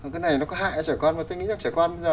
cái này nó có hại cho trẻ con mà tôi nghĩ rằng trẻ con bây giờ